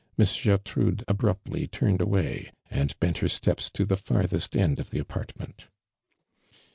Miss Gertrude abruptly turned away, and bent hor steps to the farthest end of the .apartment.